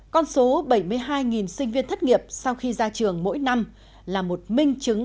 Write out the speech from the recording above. con số bảy mươi hai sinh viên thất nghiệp sau khi ra trường mỗi năm là một minh chứng